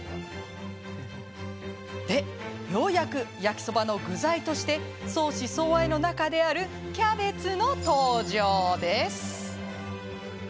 で、ようやく焼きそばの具材として相思相愛の仲であるキャベツの登場。